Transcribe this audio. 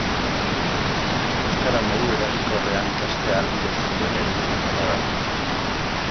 Euskara modu eraginkorrean ikastea ahalbidetzen duen eredu bakarra da.